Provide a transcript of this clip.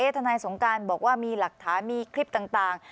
ทนายสงการบอกว่ามีหลักฐานมีคลิปต่าง